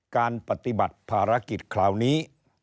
การปฏิบัติภารกิจคราวนี้